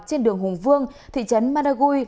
trên đường hùng vương thị trấn madagui